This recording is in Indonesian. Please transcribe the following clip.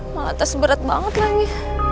malah terus berat banget lagi